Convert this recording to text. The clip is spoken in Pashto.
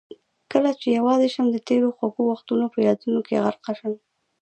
کله چې یوازې شم د تېرو خوږو وختونه په یادونو کې غرق شم.